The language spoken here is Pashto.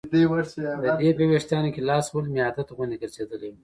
د دې په ویښتانو کې لاس وهل مې عادت غوندې ګرځېدلی و.